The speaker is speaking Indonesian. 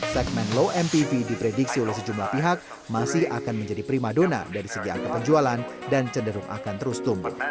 segmen low mpv diprediksi oleh sejumlah pihak masih akan menjadi prima dona dari segi angka penjualan dan cenderung akan terus tumbuh